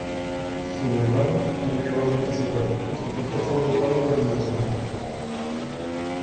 Sin embargo, no llegó a participar y su puesto fue ocupado por El Nacional.